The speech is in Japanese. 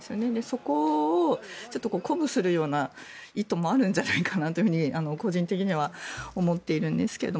そこを鼓舞するような意図もあるんじゃないかなと個人的には思っているんですけど